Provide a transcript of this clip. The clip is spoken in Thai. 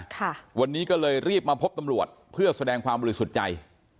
ค่ะวันนี้ก็เลยรีบมาพบตำรวจเพื่อแสดงความบริสุทธิ์ใจ